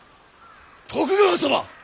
徳川様！